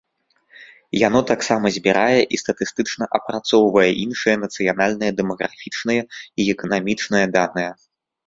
Яно таксама збірае і статыстычна апрацоўвае іншыя нацыянальныя дэмаграфічныя і эканамічныя даныя.